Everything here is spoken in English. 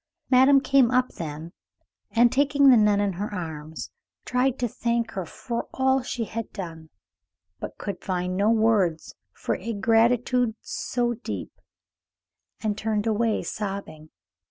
Madame came up then, and, taking the nun in her arms, tried to thank her for all that she had done, but could find no words for a gratitude so deep, and turned away, sobbing.